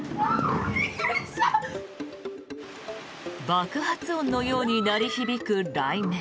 爆発音のように鳴り響く雷鳴。